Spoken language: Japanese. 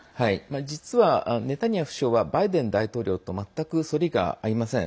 実は、ネタニヤフ首相はバイデン大統領と全く反りが合いません。